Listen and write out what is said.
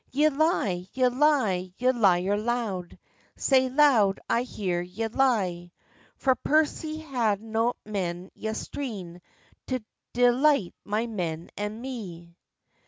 "Ye lie, ye lie, ye liar loud! Sae loud I hear ye lie; For Percy had not men yestreen, To dight my men and me.